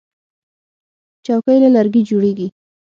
چوکۍ له لرګي جوړیږي.